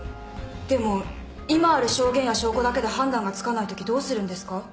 でも今ある証言や証拠だけで判断がつかないときどうするんですか？